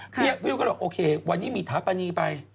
พี่วิวก็บอกโอเควันนี้มีถาปนีไป